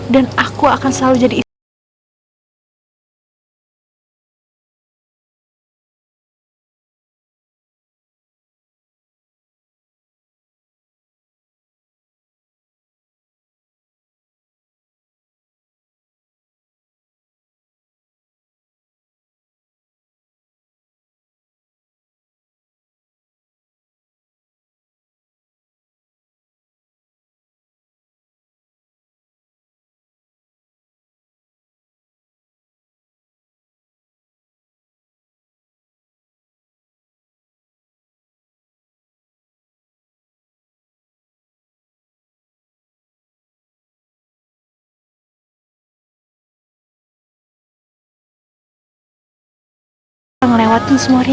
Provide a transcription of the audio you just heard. dan aku akan selalu jadi istrimu